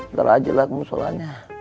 ntar aja lah musolanya